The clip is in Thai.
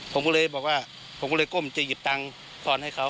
ผมก็เลยบอกว่าผมก็เลยก้มจะหยิบตังค์ทอนให้เขา